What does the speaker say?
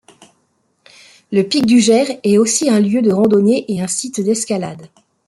Le pic du Jer est aussi un lieu de randonnée et un site d'escalade.